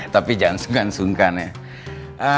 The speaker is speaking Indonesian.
tapi jangan sungkan sungkan ya